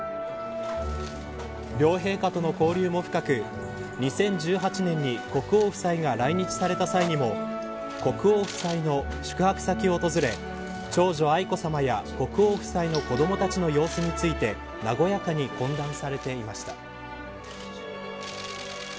両陛下との交流も深く２０１８年に国王夫妻が来日された際にも国王夫妻の宿泊先を訪れ長女愛子さまや国王夫妻の子どもたちの様子について和やかに懇談されていました。